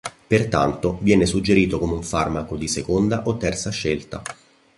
Pertanto, viene suggerito come un farmaco di seconda o terza scelta.